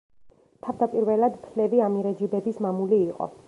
თავდაპირველად ფლევი ამირეჯიბების მამული იყო.